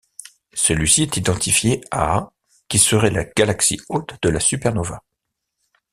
Celui-ci est identifié à qui serait la galaxie hôte de la supernova.